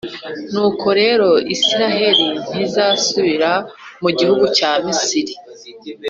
Nuko rero, Israheli ntizasubira mu gihugu cya Misiri,